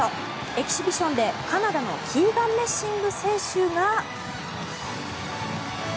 エキシビションでカナダのキーガン・メッシング選手が。